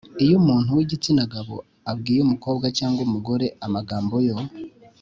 iyo umuntu w‘igitsina gabo abwiye umukobwa cyangwa umugore amagambo yo